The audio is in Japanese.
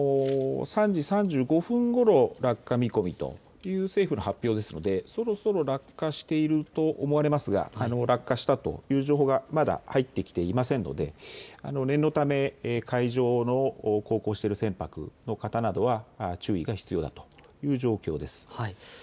３時３５分ごろ落下見込みという政府の発表ですのでそろそろ落下していると思われますが、落下したという情報はまだ入ってきていませんので念のため海上を航行している船舶の方などは注意が必要だという状況です。